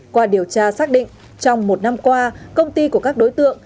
qua điều tra xác định trong một năm qua công ty của các đối tượng